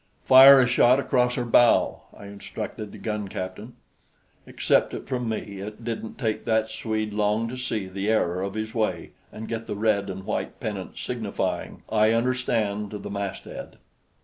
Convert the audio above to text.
"Fire a shot across her bow," I instructed the gun captain. Accept it from me, it didn't take that Swede long to see the error of his way and get the red and white pennant signifying "I understand" to the masthead.